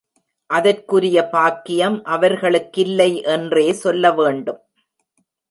அதற்குரிய பாக்கியம் அவர்களுக்கில்லை என்றே சொல்லவேண்டும்.